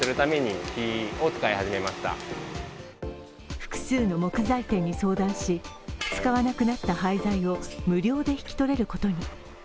複数の木材店に相談し、使わなくなった廃材を無料で引き取れることに。